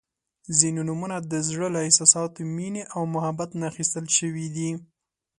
• ځینې نومونه د زړۀ له احساساتو، مینې او محبت نه اخیستل شوي دي.